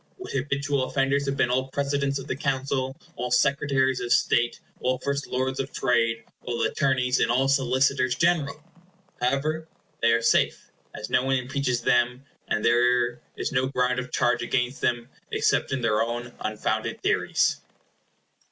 What habitual offenders have been all Presidents of the Council, all Secretaries of State, all First Lords of Trade, all Attorneys and all Solicitors General! However, they are safe, as no one impeaches them; and there is no ground of charge against them except in their own unfounded theories.